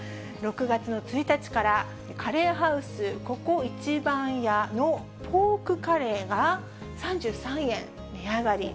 ６月の１日から、カレーハウスココ壱番屋のポークカレーが３３円値上がり。